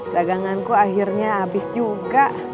daganganku akhirnya abis juga